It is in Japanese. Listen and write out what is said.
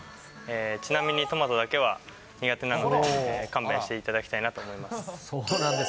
ちなみに、トマトだけは苦手なので勘弁していただきたいなと思いそうなんです。